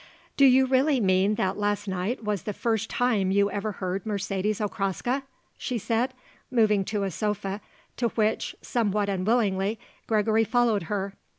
"Do you really mean that last night was the first time you ever heard Mercedes Okraska?" she said, moving to a sofa, to which, somewhat unwillingly, Gregory followed her.